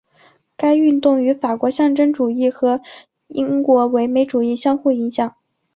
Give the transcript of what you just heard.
该运动与法国象征主义和英国唯美主义相互影响。